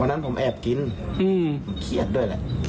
นั้นผมแอบกินผมเครียดด้วยแหละ